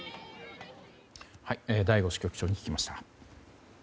醍醐支局長に聞きました。